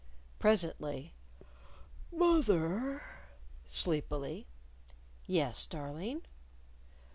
Presently, "Moth er," sleepily. "Yes, darling?"